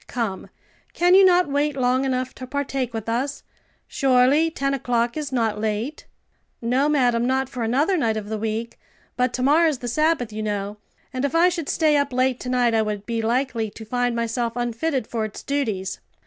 Come, can you not wait long enough to partake with us? Surely, ten o'clock is not late." "No, madam; not for another night of the week, but to morrow's the Sabbath, you know, and if I should stay up late to night I would be likely to find myself unfitted for its duties.